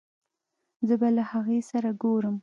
زه به له هغې سره ګورم